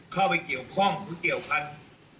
เข้าไปเกี่ยวข้องหรือเกี่ยวพันธุ์